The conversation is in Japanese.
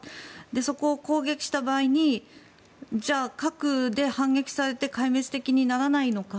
そこを攻撃した場合じゃあ核で反撃されて壊滅的にならないのか。